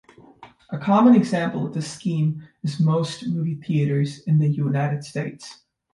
A common example of this scheme is most movie theatres in the United States.